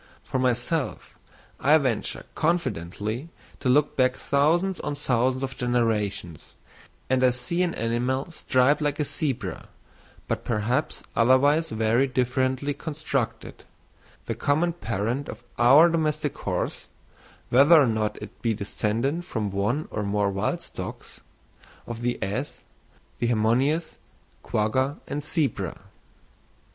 For myself, I venture confidently to look back thousands on thousands of generations, and I see an animal striped like a zebra, but perhaps otherwise very differently constructed, the common parent of our domestic horse (whether or not it be descended from one or more wild stocks) of the ass, the hemionus, quagga, and zebra.